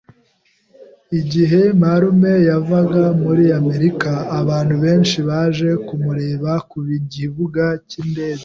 Igihe marume yavaga muri Amerika, abantu benshi baje kumureba ku kibuga cy'indege.